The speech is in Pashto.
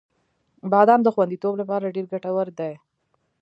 • بادام د خوندیتوب لپاره ډېر ګټور دی.